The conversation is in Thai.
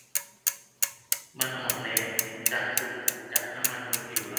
มันอ่อนแรง จากฝุ่น จากน้ำมันบนผิวเรา